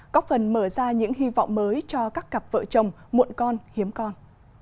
có phần mở ra những hy vọng mới cho các cặp vợ chồng muộn con hiếm con